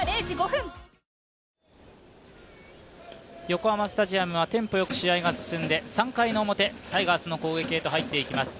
横浜スタジアムはテンポよく試合が進んで３回の表、タイガースの攻撃へと入っていきます。